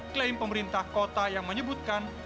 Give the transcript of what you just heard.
klaim pemerintah kota yang menyebutkan